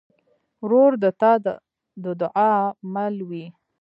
ورور د تا د دعا مل وي.